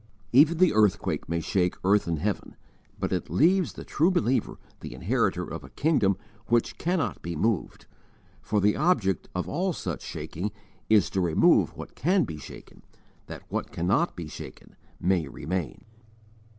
Even the earthquake may shake earth and heaven, but it leaves the true believer the inheritor of a kingdom which cannot be moved; for the object of all such shaking is to remove what can be shaken, that what cannot be shaken may remain.